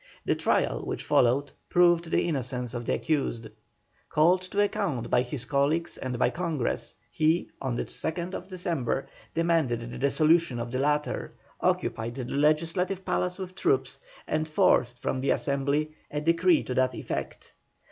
The trial which followed proved the innocence of the accused. Called to account by his colleagues and by Congress, he, on the 2nd December, demanded the dissolution of the latter, occupied the Legislative Palace with troops, and forced from the Assembly a decree to that effect.